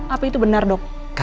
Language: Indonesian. apa itu benar dok